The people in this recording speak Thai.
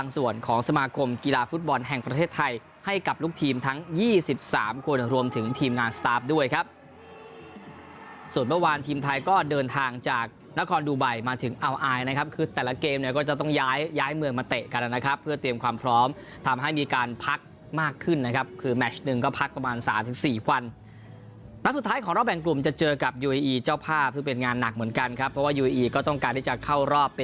สุดเมื่อวานทีมไทยก็เดินทางจากนครดูไบมาถึงเอาอายนะครับคือแต่ละเกมเนี้ยก็จะต้องย้ายย้ายเมืองมาเตะกันแล้วนะครับเพื่อเตรียมความพร้อมทำให้มีการพักมากขึ้นนะครับคือแมทช์หนึ่งก็พักประมาณสามสิบสี่วันแล้วสุดท้ายของรอบแบ่งกลุ่มจะเจอกับยูเอีเจ้าภาพซึ่งเป็นงานหนักเหมือนกันครับเพ